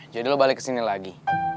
jadi lo balik kesini lagi